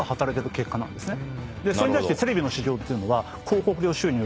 それに対してテレビの市場っていうのは。